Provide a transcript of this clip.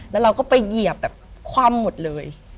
แล้วเราก็ไปเหยียบแบบคว่ำหมดเลย